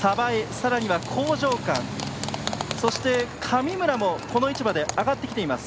さらに興譲館、そして神村もこの位置まで上がってきています。